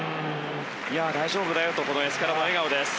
いや大丈夫だよとこのエスカラも笑顔です。